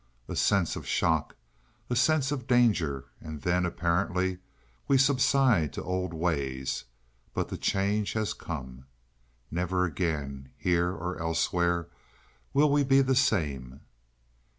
A sense of shock, a sense of danger, and then apparently we subside to old ways, but the change has come. Never again, here or elsewhere, will we be the same.